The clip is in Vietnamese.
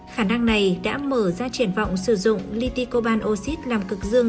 khả năng này đã mở ra triển vọng sử dụng li ti cobalt oxid làm cực dương